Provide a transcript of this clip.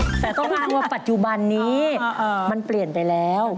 แต่ก็ไม่รู้ว่าปัจจุบันนี้มันเปลี่ยนไปแล้ว